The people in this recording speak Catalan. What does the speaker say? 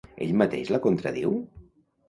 Ell mateix la contradiu?